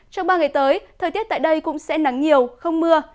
trong ba ngày tới thời tiết tại đây cũng sẽ nắng nhiều không mưa